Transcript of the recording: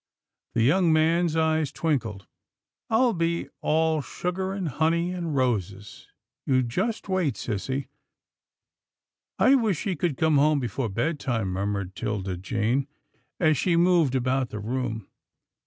The young man's eyes twinkled. " I'll be all sugar, and honey and roses. You just wait, sissy." " I wish she could get home before bed time," murmured 'Tilda Jane as she moved about the room.